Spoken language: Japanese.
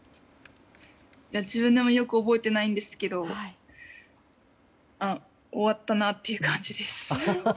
自分でもよく覚えてないんですけどあ、終わったなって感じです。